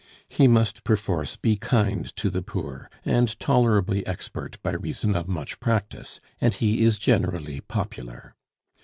He must perforce be kind to the poor, and tolerably expert by reason of much practice, and he is generally popular.